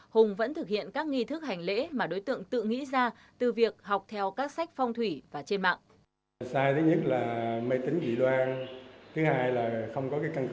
hùng vẫn thực hiện các nghi thức hành lễ mà đối tượng tự nghĩ ra từ việc học theo các sách phong thủy và trên mạng